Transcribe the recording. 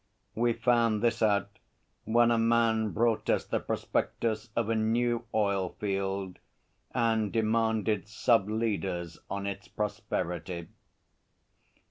We found this out when a man brought us the prospectus of a new oil field and demanded sub leaders on its prosperity.